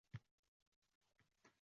Konstitutsiyang ila baxtiyor